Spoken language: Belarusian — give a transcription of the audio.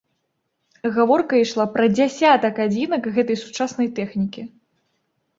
Гаворка ішла пра дзясятак адзінак гэтай сучаснай тэхнікі.